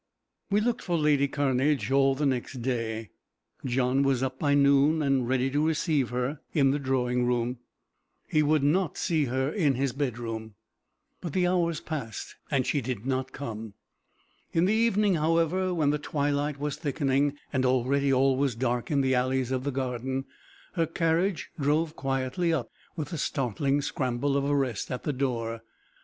We looked for lady Cairnedge all the next day. John was up by noon, and ready to receive her in the drawing room; he would not see her in his bedroom. But the hours passed, and she did not come. In the evening, however, when the twilight was thickening, and already all was dark in the alleys of the garden, her carriage drove quietly up with a startling scramble of arrest at the door.